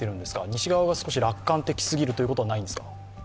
西側が少し楽観視すぎるということはありませんか？